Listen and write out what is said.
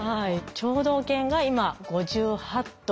聴導犬が今５８頭。